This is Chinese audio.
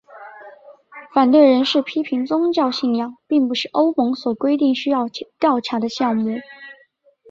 反对人士批评宗教信仰并不是欧盟所规定需要调查的项目。